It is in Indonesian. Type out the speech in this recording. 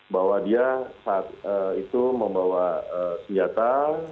bahwa dia saat itu membawa senjata